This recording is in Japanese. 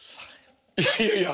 いやいやいや。